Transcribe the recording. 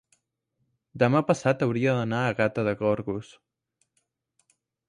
Demà passat hauria d'anar a Gata de Gorgos.